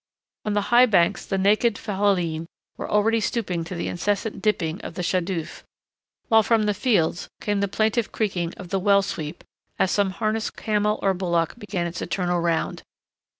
On the high banks the naked fellaheen were already stooping to the incessant dipping of the shadouf, while from the fields came the plaintive creaking of the well sweep, as some harnessed camel or bullock began its eternal round.